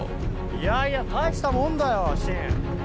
いやいや大したもんだよシン。